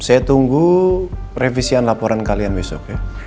saya tunggu revisian laporan kalian besok ya